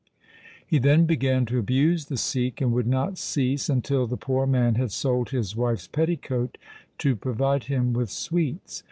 He then began to abuse the Sikh, and would not cease until the poor man had sold his wife's petticoat to provide him with sweets.